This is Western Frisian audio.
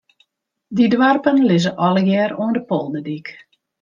Dy doarpen lizze allegear oan de polderdyk.